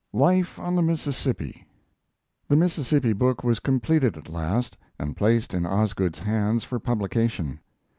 "LIFE ON THE MISSISSIPPI" The Mississippi book was completed at last and placed in Osgood's hands for publication.